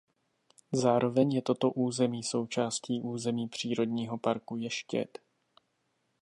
Zároveň je toto území součástí území přírodního parku Ještěd.